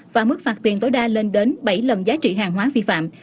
và mức phạt tiền tối đa lên đến bảy lần giá trị hàng hóa vi phạm